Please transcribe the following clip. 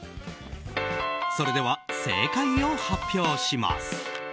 それでは正解を発表します。